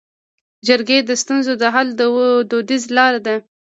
جرګې د ستونزو د حل دودیزه لاره ده